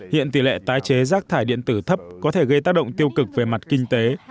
hiện tỷ lệ tái chế rác thải điện tử thấp có thể gây tác động tiêu cực về mặt kinh tế